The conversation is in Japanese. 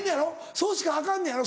そうしかアカンねやろ？